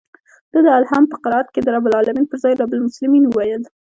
ده د الحمد په قرائت کښې د رب العلمين پر ځاى رب المسلمين وويل.